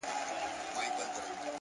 لکه انار دانې. دانې د ټولو مخته پروت يم.